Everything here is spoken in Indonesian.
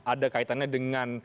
ada kaitannya dengan